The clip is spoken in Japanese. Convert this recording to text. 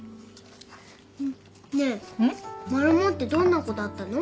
ねえマルモってどんな子だったの？